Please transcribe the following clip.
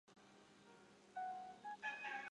西班牙对玛雅地区的征服持续了较长的时间。